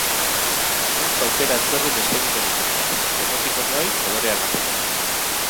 Bost aukera ezberdin eskainiko dituzte, emotikonoei kolorea emateko.